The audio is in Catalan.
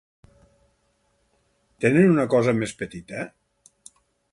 Tenen una cosa més petita?